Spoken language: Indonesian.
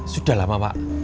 sudah lama pak